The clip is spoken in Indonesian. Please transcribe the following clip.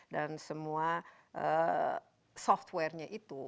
dan semua software nya itu